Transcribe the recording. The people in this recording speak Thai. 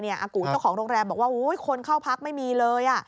อากูเจ้าของโรงแรมบอกว่าคนเข้าพักไม่มีเลย